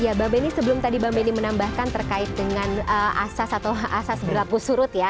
ya bang benny sebelum tadi bang benny menambahkan terkait dengan asas atau asas berlaku surut ya